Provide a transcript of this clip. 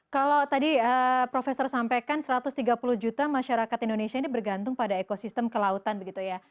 kalau tadi profesor sampaikan satu ratus tiga puluh juta masyarakat indonesia ini bergantung pada ekosistem kelautan begitu ya